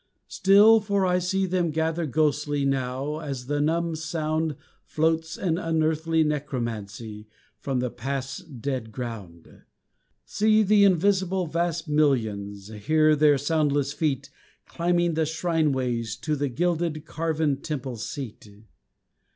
Still, for I see them gather ghostly Now, as the numb sound Floats, an unearthly necromancy, From the past's dead ground. See the invisible vast millions, Hear their soundless feet Climbing the shrine ways to the gilded Carven temple's seat.